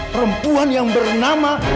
perempuan yang bernama